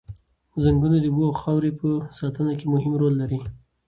ځنګلونه د اوبو او خاورې په ساتنه کې مهم رول لري.